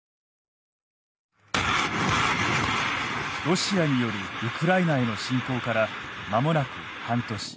ロシアによるウクライナへの侵攻から間もなく半年。